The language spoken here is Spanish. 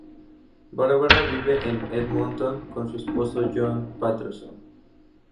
Barbara vive en Edmonton con su esposo John Paterson.